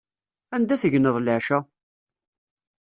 Anda tegneḍ leɛca?